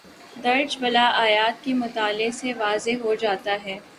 درجِ بالا آیات کے مطالعے سے واضح ہو جاتا ہے